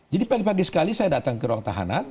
jadi pagi pagi sekali saya datang ke ruang tahanan